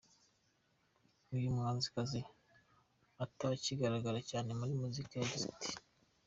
Uyu muhanzikazi utakigaragara cyane muri muzika, yagize ati:.